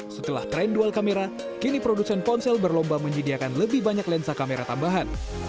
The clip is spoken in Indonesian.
setelah tren dual kamera kini produsen ponsel berlomba menyediakan lebih banyak lensa kamera tambahan